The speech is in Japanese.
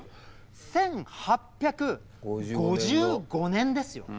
１８５５年ですよ？